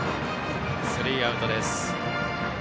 スリーアウトです。